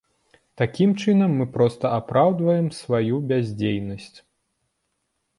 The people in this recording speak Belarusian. Такім чынам, мы проста апраўдваем сваю бяздзейнасць.